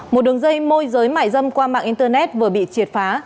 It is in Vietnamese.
một đường dây môi giới mại dâm qua mạng internet vừa bị triệt phá